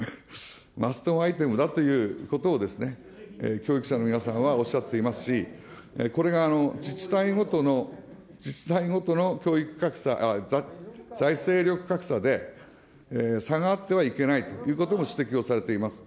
マストアイテムだということを、教育者の皆さんはおっしゃっていますし、これが自治体ごとの教育格差、財政力格差で、差があってはいけないということも指摘をされています。